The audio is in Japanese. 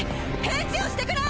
返事をしてくれ！